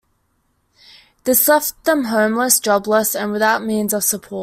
This left them homeless, jobless and without means of support.